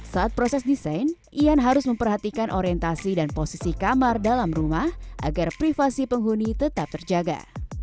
saat proses desain ian harus memperhatikan orientasi dan posisi kamar dalam rumah agar privasi penghuni tetap terjaga